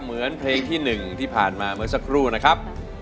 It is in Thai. เหมือนเพลงที่๑ที่ผ่านมาเมื่อสักครู่นะครับ